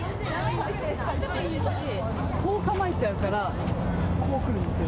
こう構えちゃうから、こうくるんですよ。